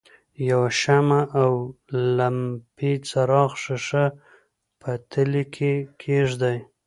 یوه شمع او لمپې څراغ ښيښه په تلې کې کیږدئ.